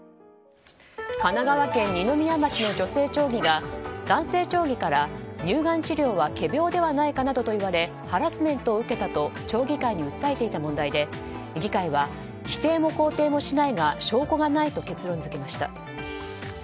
神奈川県二宮町の女性町議が男性町議から乳がん治療は仮病ではないかなどと言われハラスメントを受けたと町議会に訴えていた問題で議会は否定も肯定もしないが証拠がないと結論付けました。